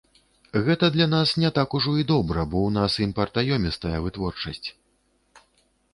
Гэта для нас не так ужо і добра, бо ў нас імпартаёмістая вытворчасць.